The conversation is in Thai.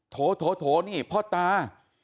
โถโถโถนี่พ่อตา